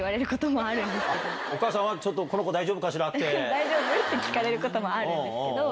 「大丈夫？」って聞かれることもあるんですけど